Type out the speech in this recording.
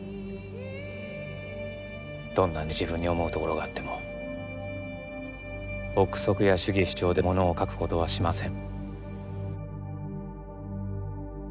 どんなに自分に思うところがあっても臆測や主義主張で物を書くことはしません。